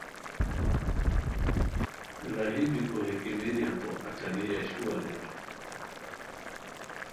راہی بیکو ہے کیمیری ہتو اچہ لئے اشرو اریر